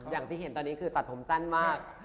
อย่างที่เห็นตอนนี้คือตัดผมสั้นมาก